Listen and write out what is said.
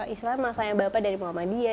islahnya sayang bapak dari muhammadiyah